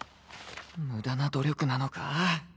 無駄な努力なのか？